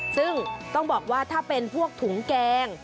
ซึ่งต้องบอกว่าถ้าเป็นพวกถุงแกง